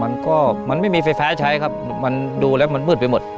มันก็มันไม่มีไฟฟ้าใช้ครับมันดูแล้วมันมืดไปหมด